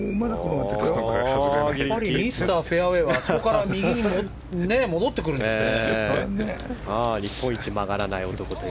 ミスターフェアウェーはあそこから右に戻ってくるんですね。